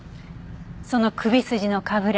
その首筋のかぶれ。